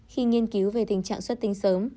khi nghiên cứu về tình trạng xuất tinh sớm